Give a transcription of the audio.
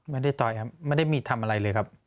ไม่ได้ต่อยครับไม่ได้มีทำอะไรเลยครับ